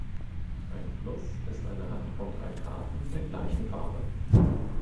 Ein Fluss ist eine Hand von drei Karten der gleichen Farbe.